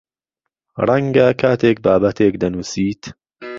ڕەنگە کاتێک بابەتێک دەنووسیت